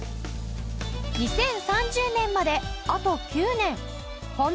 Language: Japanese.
２０３０年まであと９年。